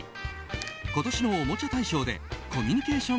今年のおもちゃ大賞でコミュニケーション